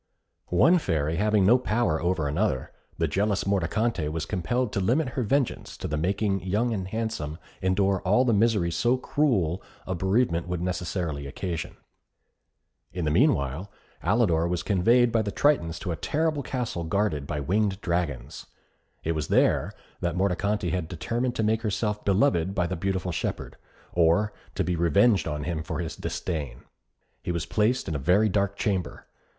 One Fairy having no power over another, the jealous Mordicante was compelled to limit her vengeance to the making Young and Handsome endure all the misery so cruel a bereavement would necessarily occasion. In the meanwhile Alidor was conveyed by the Tritons to a terrible castle guarded by winged dragons. It was there that Mordicante had determined to make herself beloved by the beautiful shepherd, or to be revenged on him for his disdain. He was placed in a very dark chamber.